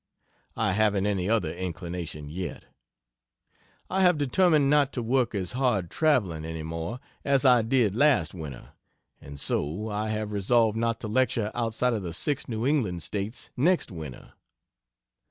I haven't any other inclination yet. I have determined not to work as hard traveling, any more, as I did last winter, and so I have resolved not to lecture outside of the 6 New England States next winter.